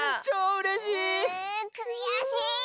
うくやしい！